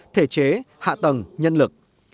thể chế hạ tầng nhân lực